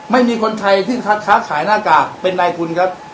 ไม่มีคนไทยที่ค้าค้าขายหน้ากากเป็นนายคุณครับ